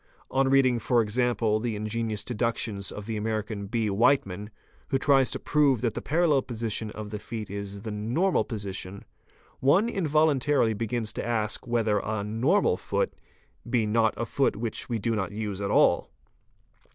On reading, for example, the ingenious deductions of the American R. Whiteman *®, who tries to prove that the parallel position of the feet is the '"'normal'' position, one involuntarily begins to ask whether a "normal" foot be not a foot which we do not use at all.